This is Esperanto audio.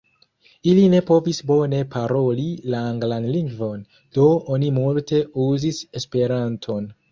Ili ne povis bone paroli la anglan lingvon, do oni multe uzis Esperanton.